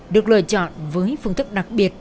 được lựa chọn với phương thức đặc biệt